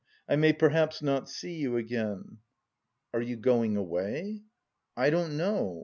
"I may perhaps not see you again..." "Are you... going away?" "I don't know...